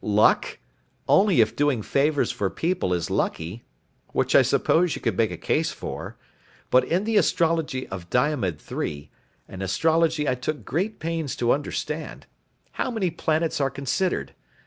Luck? Only if doing favors for people is lucky. Which I suppose you could make a case for. But in the astrology of Diomed III an astrology I took great pains to understand how many planets are considered?